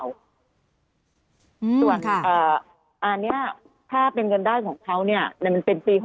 ส่วนอันนี้ถ้าเป็นเงินได้ของเขาเนี่ยมันเป็นปี๖๐